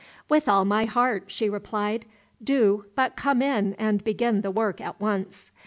"With all my heart," she replied, "do but come in and begin the work at once."